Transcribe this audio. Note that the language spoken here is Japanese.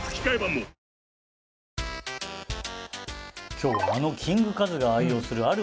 今日はあのキングカズが愛用するある